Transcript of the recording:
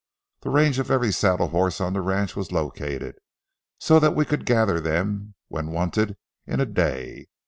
The range of every saddle horse on the ranch was located, so that we could gather them, when wanted, in a day.